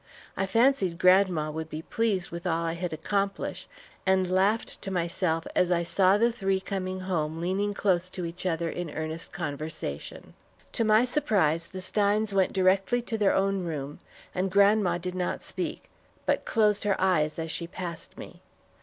I fancied grandma would be pleased with all I had accomplished, and laughed to myself as I saw the three coming home leaning close to each other in earnest conversation. To my surprise, the Steins went directly to their own room; and grandma did not speak, but closed her eyes as she passed me.